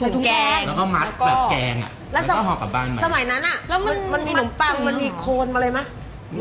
ถุงแกงแล้วก็แล้วก็สมัยนั้นมันมีหนุ่มปังมันมีโคนอะไรไหม